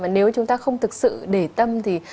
mà nếu chúng ta không thực sự để tâm thì